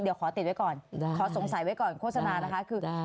เดี๋ยวขอติดไว้ก่อนขอสงสัยไว้ก่อนโฆษณานะคะคือ